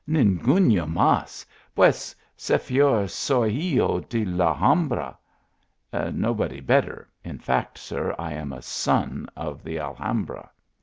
Ninguno mas pues, sefior, soy hijo de la Al hambra." (Nobody better in fact, sir, I am a son of the Alhambra.)